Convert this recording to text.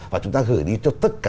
và chúng ta gửi đi cho tất cả